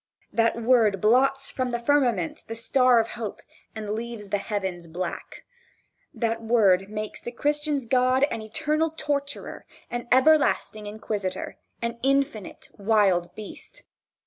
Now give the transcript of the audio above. That word blots from the firmament the star of hope and leaves the heavens black. That word makes the Christian's God an eternal torturer, an everlasting inquisitor an infinite wild beast.